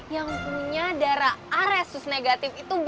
yang punya darah a resus negatif itu b